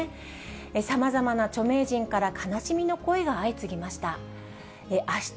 さまざまな著名人から悲しみの声が相次ぎました。